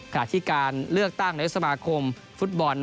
ขณะที่การเลือกตั้งในสมาคมฟุตบอล